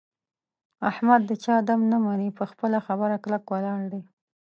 احمد د چا دم نه مني. په خپله خبره کلک ولاړ دی.